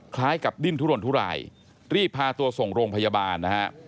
คล้ายกับดิ้นทุรนทุรายรีบพาตัวส่งโรงพยาบาลนะฮะ